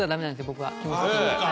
僕は気持ち的に。